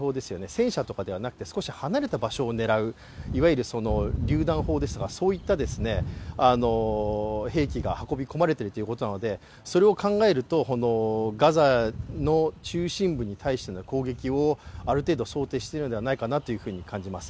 戦車とかではなく、少し離れた場所を狙う、いわゆるりゅう弾砲ですかそういった兵器が運び込まれているということなので、それを考えると、ガザ中心部に対しての攻撃をある程度想定しているんではないかなと感じます。